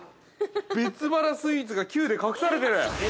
別腹スイーツが、Ｑで隠されている。